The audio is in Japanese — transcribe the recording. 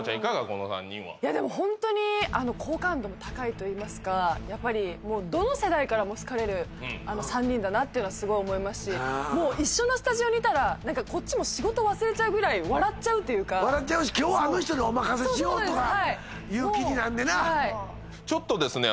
この三人はいやでもホントに好感度も高いといいますかやっぱりどの世代からも好かれる三人だなっていうのはすごい思いますしもう一緒のスタジオにいたら何かこっちも仕事忘れちゃうぐらい笑っちゃうというか笑っちゃうし今日はあの人にお任せしようとかいう気になんねんなはいちょっとですね